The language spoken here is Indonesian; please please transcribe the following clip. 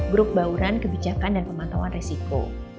grup bauran kebijakan dan pemantauan risiko